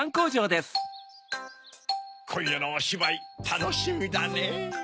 こんやのおしばいたのしみだねぇ。